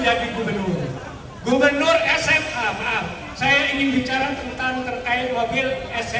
aku tahu ada satu orang yang exhale